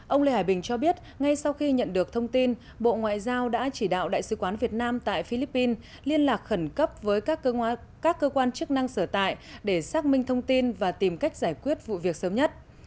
ông lê hải bình cho biết ngay sau khi nhận được thông tin bộ ngoại giao đã chỉ đạo đại sứ quán việt nam tại philippines liên lạc khẩn cấp với các cơ quan chức năng sở tại để xác minh thông tin và tìm cách giải quyết vụ việc sớm nhất